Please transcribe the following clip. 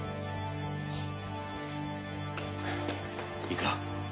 いいか？